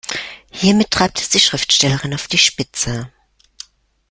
Hiermit treibt es die Schriftstellerin auf die Spitze.